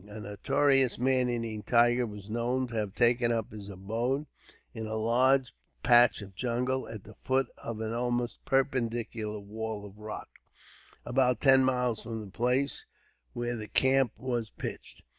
A notorious man eating tiger was known to have taken up his abode, in a large patch of jungle, at the foot of an almost perpendicular wall of rock, about ten miles from the place where the camp was pitched.